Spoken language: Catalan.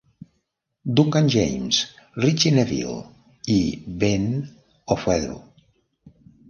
Duncan James, Ritchie Neville i Ben Ofoedu.